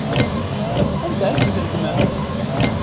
Anda ay ten-tregmem?